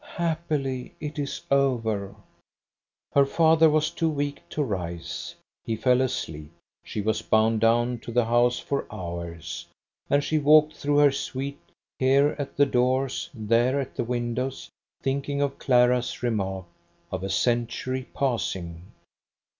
"Happily, it is over!" Her father was too weak to rise. He fell asleep. She was bound down to the house for hours; and she walked through her suite, here at the doors, there at the windows, thinking of Clara's remark "of a century passing".